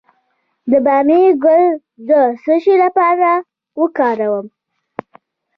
د بامیې ګل د څه لپاره وکاروم؟